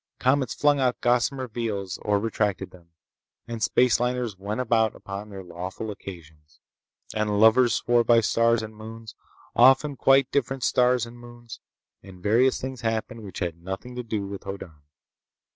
Comets flung out gossamer veils or retracted them, and space liners went about upon their lawful occasions. And lovers swore by stars and moons—often quite different stars and moons—and various things happened which had nothing to do with Hoddan.